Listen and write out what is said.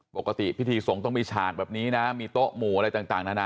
ปกติพิธีสงฆ์ต้องมีฉากแบบนี้นะมีโต๊ะหมู่อะไรต่างนานา